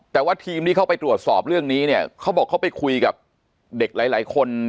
แต่ว่าทีมที่เขาไปตรวจสอบเรื่องนี้เนี่ยเขาบอกเขาไปคุยกับเด็กหลายหลายคน